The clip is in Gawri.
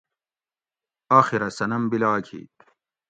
آخرہ صنم بیلاگ ھی